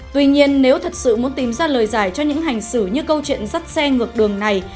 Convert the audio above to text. tuy nhiên nếu thật sự muốn tìm ra lời giải cho những hành xử như câu chuyện dắt xe ngược đường này